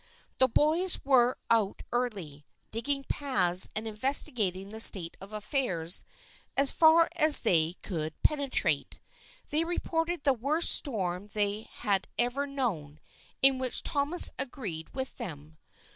The boys were out early, digging paths and investigating the state of affairs as far as they could penetrate. They reported the worst storm they had ever known, in which Thomas agreed with them.